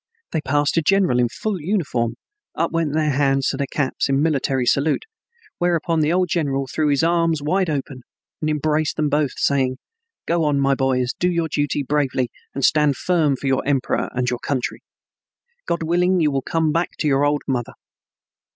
They passed a general in full uniform. Up went their hands to their caps in military salute, whereupon the old general threw his arms wide open and embraced them both, saying: "Go on, my boys, do your duty bravely and stand firm for your emperor and your country. God willing, you will come back to your old mother."